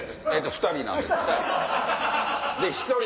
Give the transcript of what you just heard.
２人なんです。